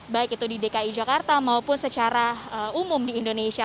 baik itu di dki jakarta maupun secara umum di indonesia